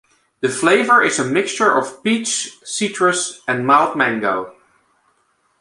The flavour is a mixture of peach, citrus and mild mango.